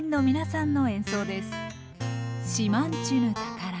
「島人ぬ宝」